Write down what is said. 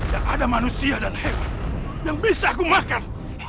yang ada manusia dan hewan yang bisa aku makan